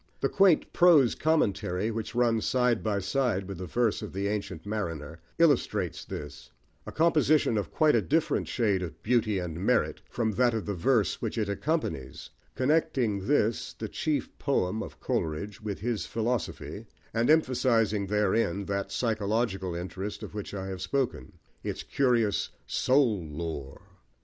The quaint prose commentary, which runs side by side with the verse of The Ancient Mariner, illustrates this a composition of quite a different shade of beauty and merit from that of the verse which it accompanies, connecting this, the chief poem of Coleridge, with his philosophy, and emphasising therein that psychological interest of which I have spoken, its curious soul lore.